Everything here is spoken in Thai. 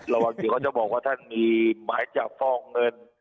ระหว่างจริงก็จะบอกว่าท่านมีหมายจากฟองเงิน